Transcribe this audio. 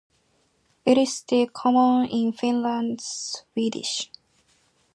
It is still common in Finland Swedish.